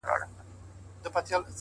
نه ،نه محبوبي زما،